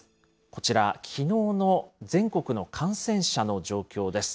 こちら、きのうの全国の感染者の状況です。